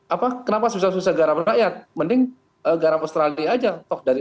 apa kenapa susah susah garam rakyat mending garam australia aja toh dari